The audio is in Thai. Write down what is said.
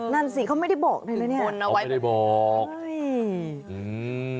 นั่นสิเขาไม่ได้บอกเลยนะเนี่ยไม่ได้บอกเฮ้ยอืม